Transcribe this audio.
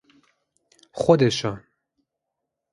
خودشان